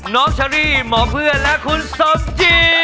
น้องชะรีหมอเพื่อนและคุณสมจีน